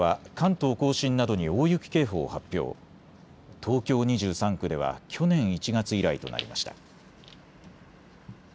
東京２３区では去年１月以来となりました。